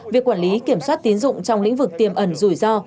việc quản lý kiểm soát tín dụng trong lĩnh vực tiềm ẩn rủi ro